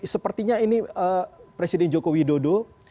sepertinya ini presiden joko widodo